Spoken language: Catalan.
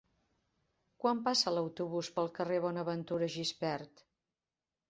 Quan passa l'autobús pel carrer Bonaventura Gispert?